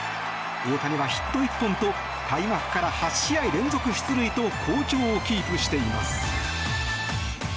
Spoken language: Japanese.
大谷はヒット１本と開幕から８試合連続出塁と好調をキープしています。